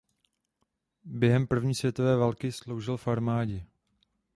Během první světové války sloužil v armádě.